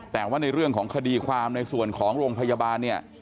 แต่ว่าในเรื่องของคดีความในส่วนของโรงพยาบาลเนี่ย